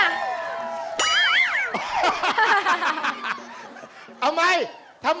เอาไม่ทำไมไม่ออกมา